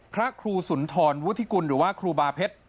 พระครูสุนทรวุฒิกุลหรือว่าครูบาเพชร